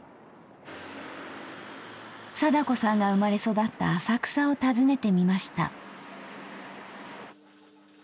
貞子さんが生まれ育った浅草を訪ねてみました。